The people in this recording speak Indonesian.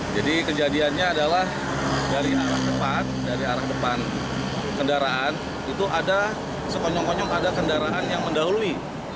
jadi kejadiannya adalah dari arah depan kendaraan itu ada sekonyong konyong ada kendaraan yang mendahului